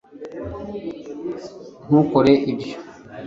ntukore ibyo